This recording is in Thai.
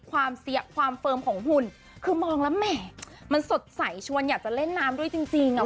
ความเฟิร์มของหุ่นคือมองแล้วแหมมันสดใสชวนอยากจะเล่นน้ำด้วยจริงอ่ะ